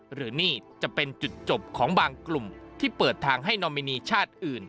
หรือนี่จะเป็นจุดจบของบางกลุ่มที่เปิดทางให้นอมินีชาติอื่น